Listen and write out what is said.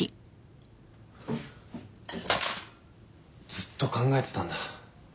ずっと考えてたんだ。